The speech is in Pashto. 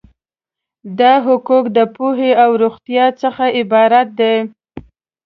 دا حقوق د پوهې او روغتیا څخه عبارت دي.